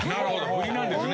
振りなんですね